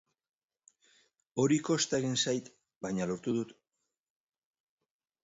Hori kosta egin zait, baina lortu dut.